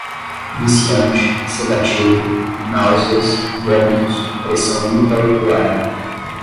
viciante, sedativo, náuseas, vômitos, pressão intra-ocular